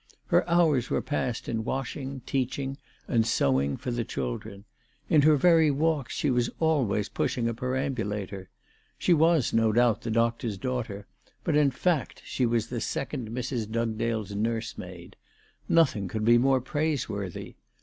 Her hours were passed in washing, teaching, and sewing for the children. In her very walks she was always pushing a perambulator. She was, no doubt, the doctor's daughter ; but, in fact, she was the second Mrs. Dugdale's nursemaid. Nothing could be more praiseworthy.